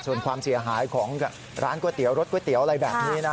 ส่วนความเสียหายของร้านก๋วยเตี๋ยรสก๋วยเตี๋ยวอะไรแบบนี้นะ